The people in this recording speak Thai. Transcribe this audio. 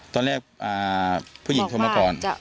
ตอนแรกผู้หญิงโทรมาก่อน